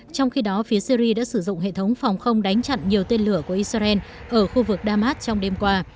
trong khi đó phía syri đã sử dụng hệ thống phòng không đánh chặn nhiều tên lửa của israel ở khu vực damas trong đêm qua